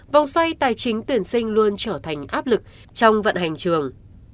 vòng xoay tài chính tuyển sinh luôn trở thành áp lực trong vận hành trường